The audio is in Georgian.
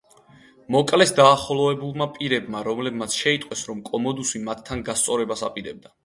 მოკლეს დაახლოებულმა პირებმა, რომლებმაც შეიტყვეს, რომ კომოდუსი მათთან გასწორებას აპირებდა.